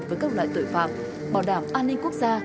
với các loại tội phạm bảo đảm an ninh quốc gia